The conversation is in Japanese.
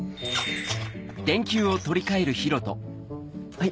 はい。